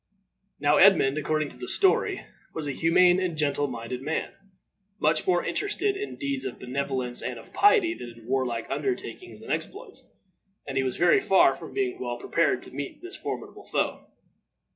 Now Edmund, according to the story, was a humane and gentle minded man, much more interested in deeds of benevolence and of piety than in warlike undertakings and exploits, and he was very far from being well prepared to meet this formidable foe.